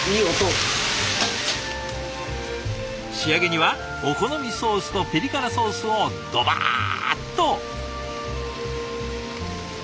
仕上げにはお好みソースとピリ辛ソースをドバーッと。